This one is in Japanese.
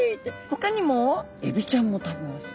ほかにもエビちゃんも食べます。